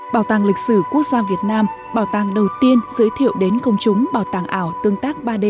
bảo tàng lịch sử quốc gia việt nam bảo tàng đầu tiên giới thiệu đến công chúng bảo tàng ảo tương tác ba d